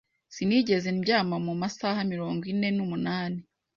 Sinigeze ndyama mu masaha mirongo ine n'umunani.